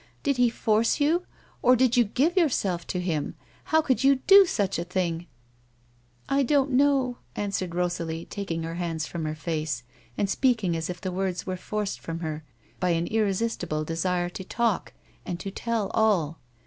" Did he force you, or did you give yourself to him ? How could you do such a thing ?" "I don't know," answered Rosalie, taking her hands from her face and speaking as if the words were forced from her by an irresistible desire to talk and to tell all.